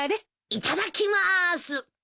いただきます。